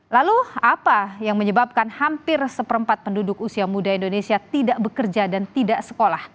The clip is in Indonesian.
lalu apa yang menyebabkan hampir seperempat penduduk usia muda indonesia tidak bekerja dan tidak sekolah